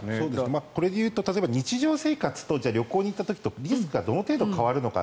これで言うと日常生活と旅行に行った時とリスクがどの程度変わるのか。